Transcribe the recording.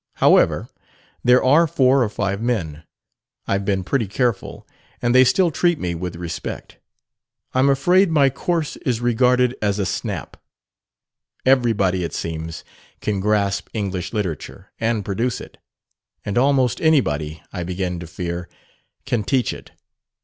However, there are four or five men. I've been pretty careful, and they still treat me with respect. I'm afraid my course is regarded as a 'snap.' Everybody, it seems, can grasp English literature (and produce it). And almost anybody, I begin to fear, can teach it.